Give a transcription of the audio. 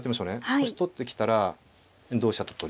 もし取ってきたら同飛車と取りまして。